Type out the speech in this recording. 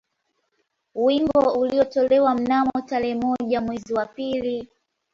Wimbo ulitolewa mnamo tarehe moja mwezi wa pili